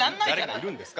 誰かいるんですか？